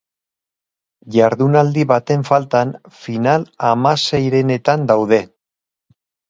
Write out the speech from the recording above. Jardunaldi baten faltan, final-hamaseirenetan daude.